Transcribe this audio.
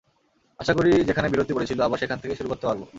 আশা করি, যেখানে বিরতি পড়েছিল, আবার সেখান থেকেই শুরু করতে পারব।